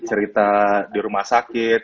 cerita di rumah sakit